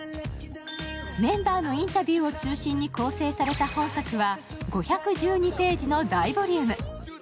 メンバーのインタビューを中心に構成された本作は５１２ページの大ボリューム。